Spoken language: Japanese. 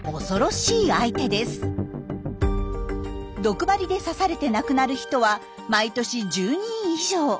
毒針で刺されて亡くなる人は毎年１０人以上。